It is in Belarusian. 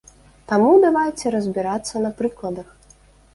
Таму, давайце разбірацца на прыкладах.